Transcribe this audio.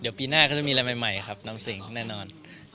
วิธีใหม่น้ำสิ้งแน่นอน